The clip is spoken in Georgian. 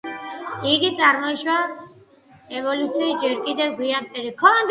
იგი წარმოიშვა ევოლუციის ჯერ კიდევ გვიან პერიოდში.